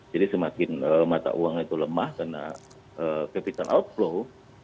jadi semakin mata uang itu lemah karena capital outflow